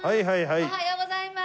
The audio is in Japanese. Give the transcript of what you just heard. おはようございます。